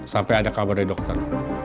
sampai ada kabar dari dokter